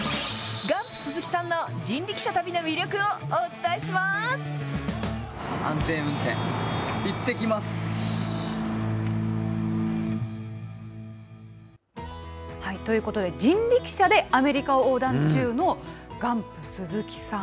ガンプ鈴木さんの人力車旅の魅力をお伝えします。ということで、人力車でアメリカを横断中のガンプ鈴木さん。